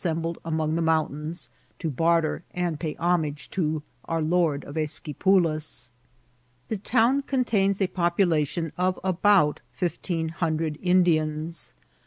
169 sembled among the mountains to barter and pay horn* age to ^^ our Lord of Esquipulacu" The town contains a population of about fifteen bun* dred Indians.